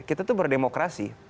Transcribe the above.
kita tuh berdemokrasi